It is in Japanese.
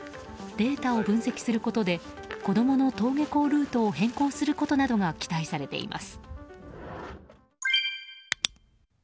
データを分析することで子供の登下校ルートを変更することなどが期待されています。